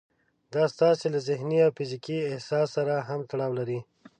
دا ستاسې له ذهني او فزيکي احساس سره هم تړاو لري.